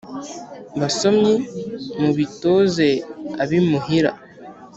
Basomyi mubitoze ab’imuhira